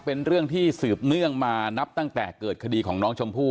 เป็นเรื่องที่สืบเนื่องมานับตั้งแต่เกิดคดีของน้องชมพู่